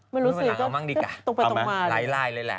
ไม่รู้สึกก็ตรงไปลายเลยแหละ